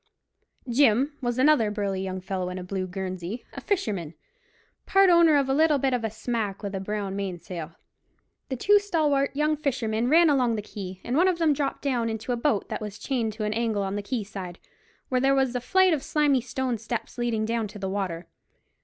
Jim was another burly young fellow in a blue guernsey, a fisherman, part owner of a little bit of a smack with a brown mainsail. The two stalwart young fishermen ran along the quay, and one of them dropped down into a boat that was chained to an angle in the quay side, where there was a flight of slimy stone steps leading down to the water.